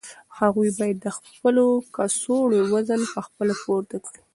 هغوی باید د خپلو کڅوړو وزن په خپله پورته کړي.